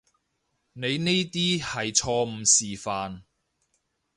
你呢啲係錯誤示範